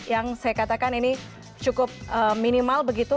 yang saya katakan ini cukup minimal begitu